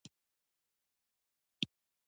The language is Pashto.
سپوږمۍ ولاړه وه.